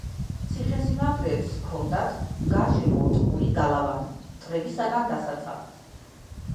ციხესიმაგრეებს ჰქონდათ გარშემორტყმული გალავანი მტრებისგან დასაცავად.